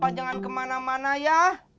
jangan kemana mana ya